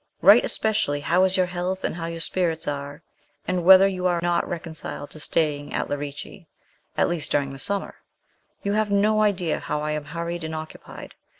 Write especially how is your health and how your spirits are, and whether you are LAST MONTHS WITH SHELLEY. 167 not more reconciled to staying at Lerici, at least during the summer. You have no idea how I am hurried and occupied.